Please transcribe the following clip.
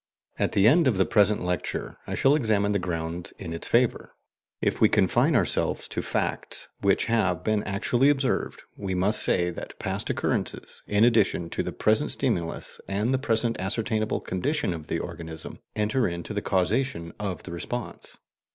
At the end of the present lecture I shall examine the grounds in its favour. If we confine ourselves to facts which have been actually observed, we must say that past occurrences, in addition to the present stimulus and the present ascertainable condition of the organism, enter into the causation of the response.